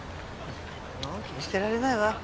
のんきにしてられないわ。